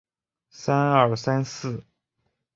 但也有一些非十八禁的被放在一般电视游戏旁。